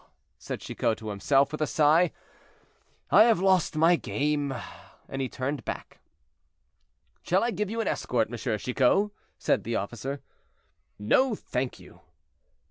said Chicot to himself, with a sigh; "I have lost my game," and he turned back. "Shall I give you an escort, M. Chicot?" said the officer. "No, thank you."